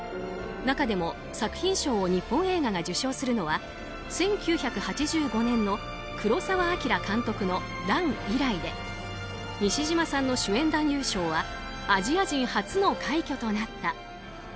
中でも作品賞を日本映画が受賞するのは１９８５年の黒澤明監督の「乱」以来で西島さんの主演男優賞はアジア人初の快挙となった。